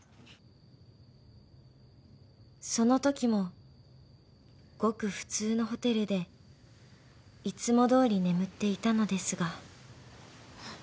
［そのときもごく普通のホテルでいつもどおり眠っていたのですが］